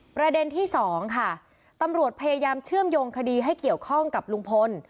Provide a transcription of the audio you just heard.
ประเด็นที่สองค่ะตำรวจพยายามเชื่อมโยงคดีให้เกี่ยวข้องกับลุงพล